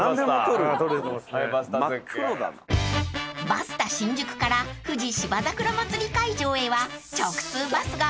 ［バスタ新宿から富士芝桜まつり会場へは直通バスが運行］